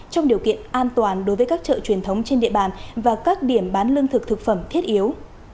trong điều kiện an toàn đối với các chợ truyền thống trên địa bàn và các điểm bán lương thực thực phẩm thiết yếu